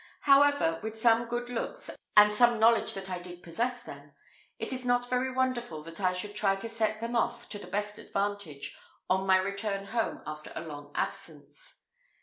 However, with some good looks, and some knowledge that I did possess them, it is not very wonderful that I should try to set them off to the best advantage, on my return home after a long absence.